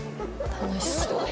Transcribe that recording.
楽しそう。